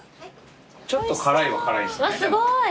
ちょっと辛いは辛いんですよね？